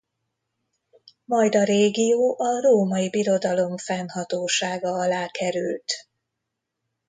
Majd a régió a Római Birodalom fennhatósága alá került.